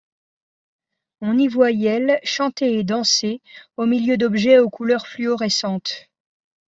On y voit Yelle chanter et danser au milieu d'objets aux couleurs fluorescentes.